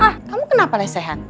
ah kamu kenapa lesehat